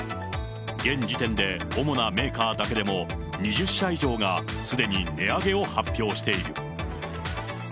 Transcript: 現時点で主なメーカーだけでも２０社以上がすでに値上げを発表している。